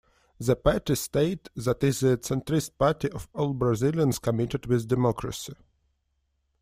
The party stayed that is a centrist party of all brazilians commited with democracy.